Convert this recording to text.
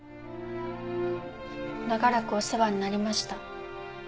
長らくお世話になりました。